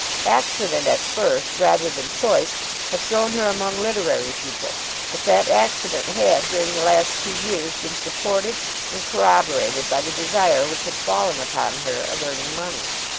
Accident at first rather than choice had thrown her among literary people, but that accident had, during the last two years, been supported and corroborated by the desire which had fallen upon her of earning money.